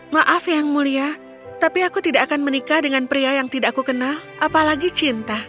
maaf yang mulia tapi aku tidak akan menikah dengan pria yang tidak aku kenal apalagi cinta